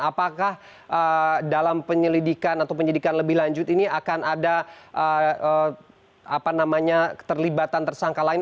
apakah dalam penyelidikan atau penyelidikan lebih lanjut ini akan ada keterlibatan tersangka lain